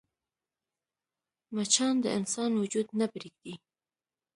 مچان د انسان وجود نه پرېږدي